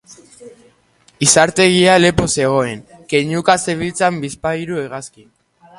Izartegia lepo zegoen, keinuka zebiltzan bizpahiru hegazkin.